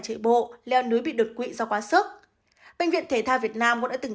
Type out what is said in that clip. trị bộ leo núi bị đột quỵ do quá sức bệnh viện thể thao việt nam cũng đã từng